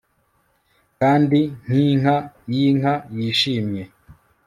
kandi nkinka yinka yishimye